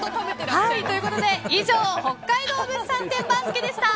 ということで以上、北海道物産展番付でした。